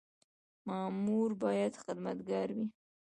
مامور باید خدمتګار وي